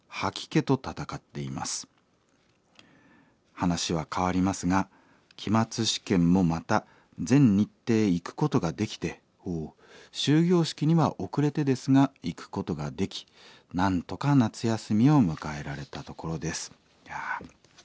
話は変わりますが期末試験もまた全日程行くことができて終業式には遅れてですが行くことができなんとか夏休みを迎えられたところです。